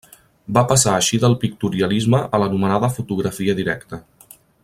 Va passar així del pictorialisme a l'anomenada fotografia directa.